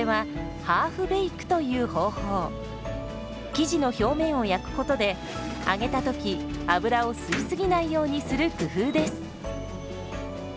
生地の表面を焼くことで揚げた時油を吸い過ぎないようにする工夫です。